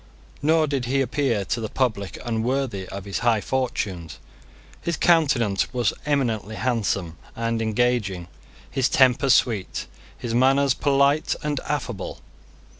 Nor did he appear to the public unworthy of his high fortunes. His countenance was eminently handsome and engaging, his temper sweet, his manners polite and affable.